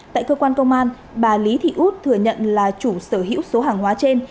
tại cơ quan công an bà lý thị út thừa nhận là chủ sở hữu số hàng hóa trên